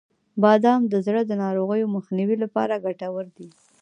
• بادام د زړه د ناروغیو د مخنیوي لپاره ګټور دي.